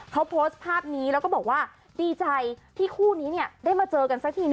เขาโพสต์ภาพนี้แล้วก็บอกว่าดีใจที่คู่นี้เนี่ยได้มาเจอกันสักที